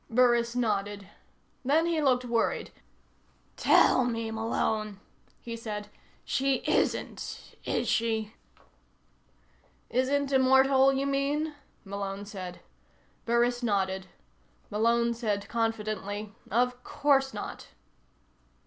Burris nodded. Then he looked worried. "Tell me, Malone," he said. "She isn't, is she?" "Isn't immortal, you mean?" Malone said. Burris nodded. Malone said confidently: "Of course not."